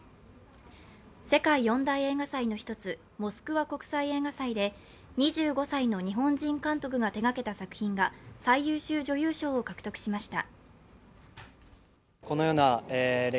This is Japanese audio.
世界４大映画祭の１つ、モスクワ国際映画祭で２５歳の日本人監督が手がけた作品が最優秀女優賞を獲得しました。